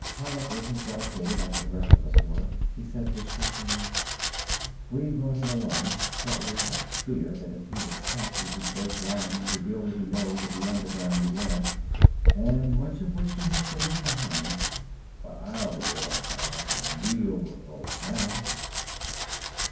"Hallet isn't dedicated like the rest of us were," he said distressedly. "We brought him along partly out of fear that if he were captured he'd break down and reveal what he knows of the Underground we led, and much of which we had to leave behind. But I'll be able to finance a real revolt, now!"